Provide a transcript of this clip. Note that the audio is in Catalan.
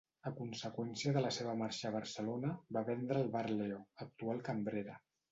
A conseqüència de la seva marxa a Barcelona, va vendre el bar Leo, actual cambrera.